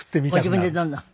ご自分でどんどん。